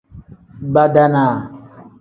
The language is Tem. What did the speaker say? Badaanaa.